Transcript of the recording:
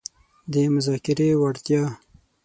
-د مذاکرې وړتیا